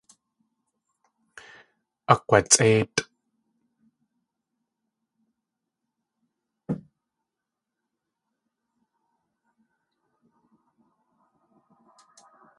Akg̲watsʼéitʼ.